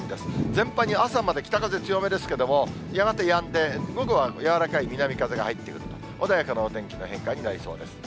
全般に朝まで北風強めですけれども、やがてやんで、午後は柔らかい南風が入ってくる、穏やかなお天気の変化になりそうです。